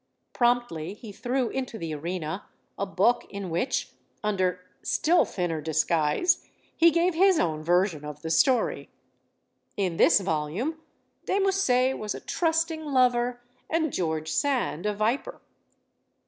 Promptly he threw into the arena a book in which, under still thinner disguise, he gave his own version of the story. In this volume de Musset was a trusting lover, and George Sand a viper.